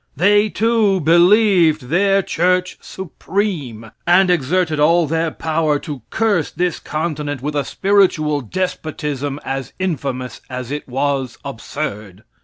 They, too, believed their church supreme, and exerted all their power to curse this continent with a spiritual despotism as infamous as it was absurd.